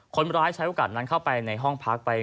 คนร้ายใช้โอกาสนั้นเข้าไปในห้องพักไป